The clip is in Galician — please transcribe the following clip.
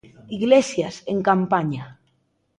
Iglesias, en campaña.